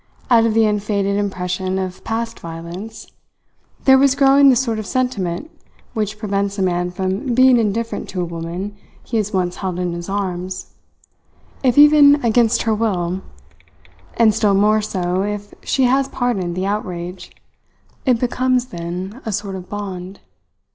Out of the unfaded impression of past violence there was growing the sort of sentiment which prevents a man from being indifferent to a woman he has once held in his arms if even against her will and still more so if she has pardoned the outrage. It becomes then a sort of bond.